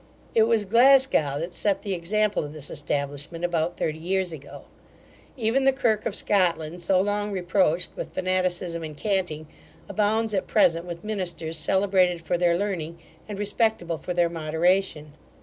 It was Glasgow that set the example of this establishment, about thirty years ago. Even the kirk of Scotland, so long reproached with fanaticism and canting, abounds at present with ministers celebrated for their learning, and respectable for their moderation.